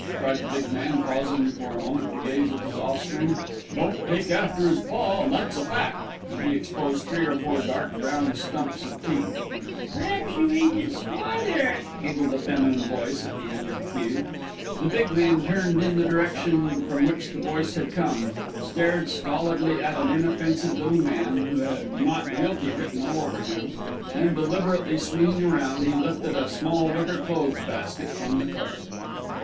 cried the big man, pausing for a moment to gaze at his offspring. "Don't take after 'is pa, and that's a fact," and he exposed three or four dark brown stumps of teeth. "P'raps you ain't 'is father," giggled a feminine voice at the end of the queue. The big man turned in the direction from which the voice had come, stared stolidly at an inoffensive little man, who had "not guilty" written all over him, then, deliberately swinging round, he lifted a small wicker clothes basket from the cart.